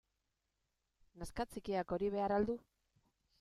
Neska txikiak hori behar al du?